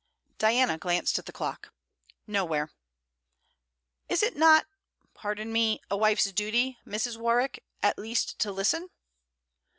Diana glanced at the clock. 'Nowhere.' 'Is it not pardon me a wife's duty, Mrs. Warwick, at least to listen?'